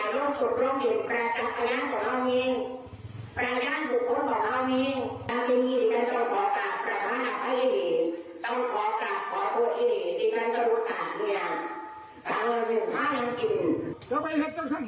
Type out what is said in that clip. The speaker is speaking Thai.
อย่างกันท่านควรได้ขายลบสุดร่องศิลป์ประชาติ